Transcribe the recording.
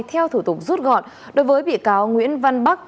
theo thủ tục rút gọn đối với bị cáo nguyễn văn bắc